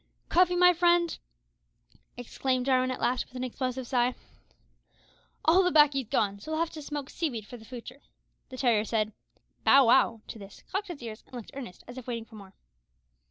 "Cuffy, my friend," exclaimed Jarwin at last, with an explosive sigh, "all the baccy's gone, so we'll have to smoke sea weed for the futur'." The terrier said "Bow wow" to this, cocked its ears, and looked earnest, as if waiting for more.